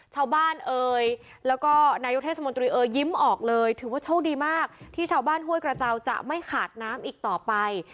ชาวบ้านเอ่ยแล้วก็นายกเทศมนตรีเอยยิ้มออกเลยถือว่าโชคดีมากที่ชาวบ้านห้วยกระเจ้าจะไม่ขาดน้ำอีกต่อไป